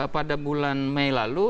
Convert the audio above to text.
pada bulan mei lalu